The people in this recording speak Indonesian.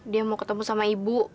dia mau ketemu sama ibu